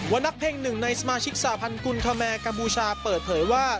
นักเพ่งหนึ่งในสมาชิกสาพันธ์กุลคแมร์กัมพูชาเปิดเผยว่า